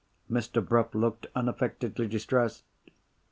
Mr. Bruff looked unaffectedly distressed.